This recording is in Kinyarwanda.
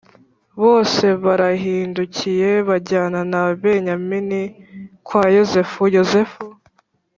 Bose barahindukiye bajyana na Benyamini kwa Yozefu Yozefu